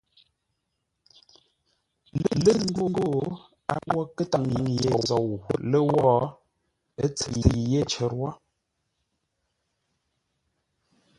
Lə́ zʉ́ ńgó a wó nkə́ ntâŋ ye zou lə́wó, ə́ ntsə̌i yé cər wó.